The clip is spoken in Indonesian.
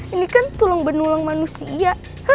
ini kan tulang benulang manusia